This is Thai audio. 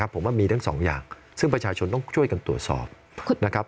ผมว่ามีทั้งสองอย่างซึ่งประชาชนต้องช่วยกันตรวจสอบนะครับ